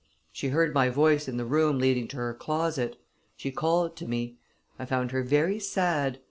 "She heard my voice in the room leading to her closet; she called to me. I found her very sad.